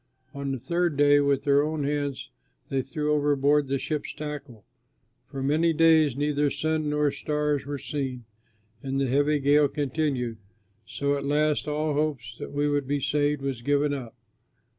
On the third day, with their own hands, they threw overboard the ship's tackle. For many days neither sun nor stars were seen and the heavy gale continued, so at last all hope that we would be saved was given up.